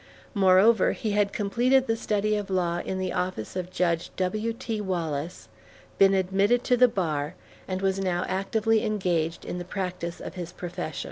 Moreover, he had completed the study of law in the office of Judge W.T. Wallace, been admitted to the bar, and was now actively engaged in the practice of his profession.